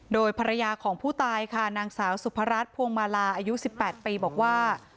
โดยภรรยาของผู้ตายค่ะนางสาวสุพรัชพวงมาลาอายุ๑๘ปีบอกว่า